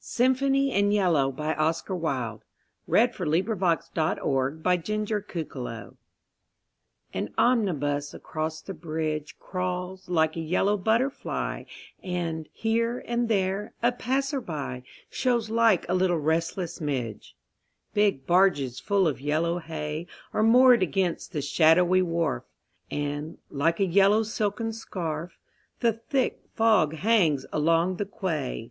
Else moonstruck with music and madness I track him in vain! SYMPHONY IN YELLOW AN omnibus across the bridge Crawls like a yellow butterfly And, here and there, a passer by Shows like a little restless midge. Big barges full of yellow hay Are moored against the shadowy wharf, And, like a yellow silken scarf, The thick fog hangs along the quay.